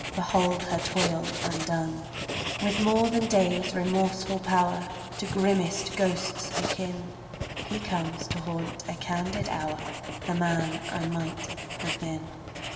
Behold her toil undone, With more than day's remorseful pow'r, To grimmest ghosts akin, He comes to haunt a candid hour — The man I might have been.